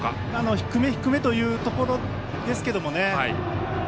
低め、低めというところですけどね。